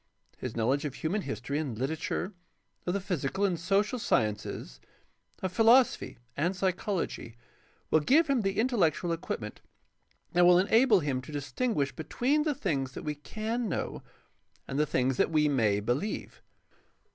His knowledge of human history and Hterature, of the physical and social sciences, of philosophy and psychology, will give him the intellectual equipment that will enable him to distinguish between the things that we can know and the things that we may believe.